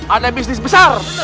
ada bisnis besar